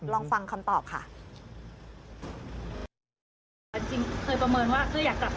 จริงเคยประเมินว่าคืออยากกลับตั้งแต่ตอนกรกฎาใช่ไหมคะ